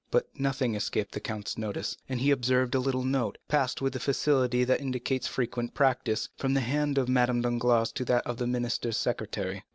But nothing escaped the count's notice, and he observed a little note, passed with the facility that indicates frequent practice, from the hand of Madame Danglars to that of the minister's secretary.